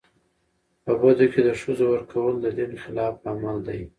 په بدو کي د ښځو ورکول د دین خلاف عمل دی.